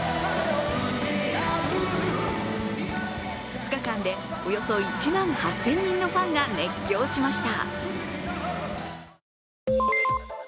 ２日間でおよそ１万８０００人のファンが熱狂しました。